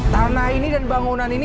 tanah ini dan bangunan ini